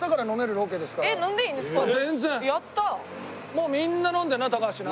もうみんな飲んでるな高橋な。